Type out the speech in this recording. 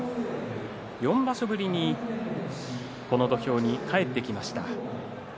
４場所ぶりにこの土俵に帰ってきました。